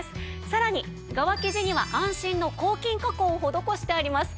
さらに側生地には安心の抗菌加工を施してあります。